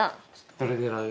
どれ狙う？